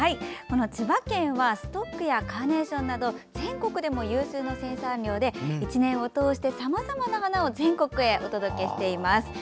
千葉県はストックやカーネーションなど全国でも有数の生産量で１年を通して、さまざまな花を全国へお届けしています。